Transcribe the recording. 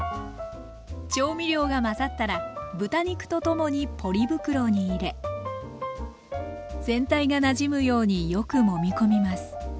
調味料が混ざったら豚肉と共にポリ袋に入れ全体がなじむようによくもみ込みます。